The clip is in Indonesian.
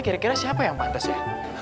kira kira siapa yang pantas ya